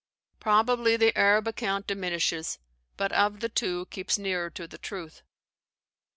Probably the Arab account diminishes, but of the two keeps nearer to the truth.